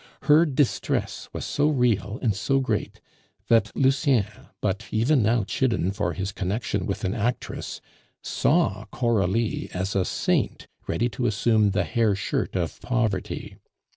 Her distress was so real and so great, that Lucien, but even now chidden for his connection with an actress, saw Coralie as a saint ready to assume the hair shirt of poverty.